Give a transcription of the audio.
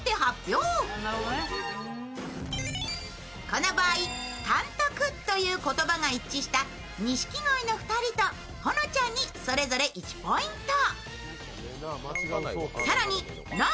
この場合、「かんとく」という言葉が一致した、錦鯉の２人とほのちゃんにそれぞれ１ポイント。